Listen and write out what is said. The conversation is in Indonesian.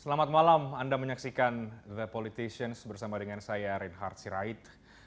selamat malam anda menyaksikan the politicians bersama dengan saya reinhard sirait